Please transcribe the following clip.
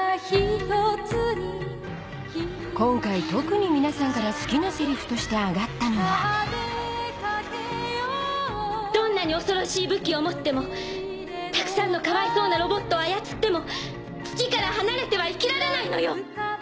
今回特に皆さんから好きなセリフとして挙がったのはどんなに恐ろしい武器を持ってもたくさんのかわいそうなロボットを操っても土から離れては生きられないのよ！